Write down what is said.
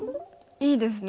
いいですね